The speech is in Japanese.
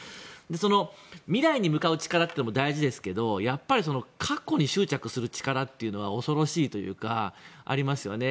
その未来に向かう力も大事ですけど過去に執着する力というのは恐ろしいというかありますよね。